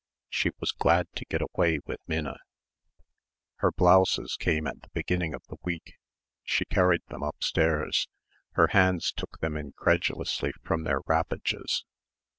She was glad to get away with Minna. Her blouses came at the beginning of the week. She carried them upstairs. Her hands took them incredulously from their wrappages.